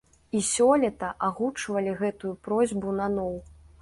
І сёлета агучвалі гэтую просьбу наноў.